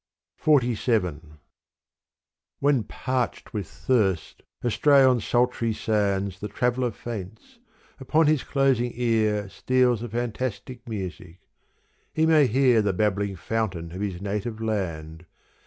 XLVII WHEN parched with thirst, astray on sultry sands The traveller faints, upon his closing ear Steals a fantastic music : he may hear The babbling fountain of his native land.